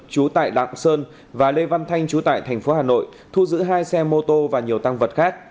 chú tại lạng sơn và lê văn thanh chú tại thành phố hà nội thu giữ hai xe mô tô và nhiều tăng vật khác